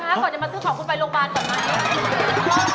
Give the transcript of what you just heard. คะก่อนจะมาทึกของคุณไปโรงพยาบาลก่อนนะ